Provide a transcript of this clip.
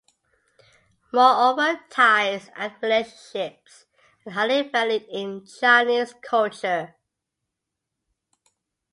Moreover, ties and relationships are highly valued in Chinese culture.